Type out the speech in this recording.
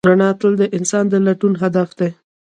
رڼا تل د انسان د لټون هدف دی.